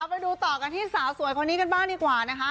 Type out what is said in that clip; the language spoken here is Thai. ไปดูต่อกันที่สาวสวยคนนี้กันบ้างดีกว่านะคะ